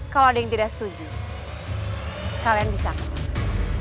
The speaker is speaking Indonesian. kalau ada yang tidak setuju kalian bisa